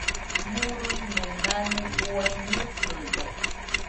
Murui-muinanɨ uai nɨkɨdo.